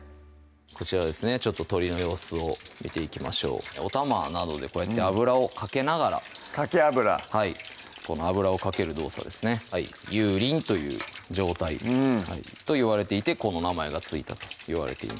こちらですねちょっと鶏の様子を見ていきましょうおたまなどでこうやって油をかけながらかけ油はいこの油をかける動作ですね油淋という状態といわれていてこの名前が付いたといわれています